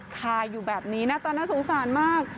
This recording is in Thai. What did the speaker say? ค่าอยู่แบบนี้น่ะตอนนั้นสงสารมาก